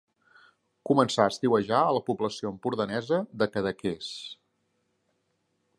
Començà a estiuejar a la població empordanesa de Cadaqués.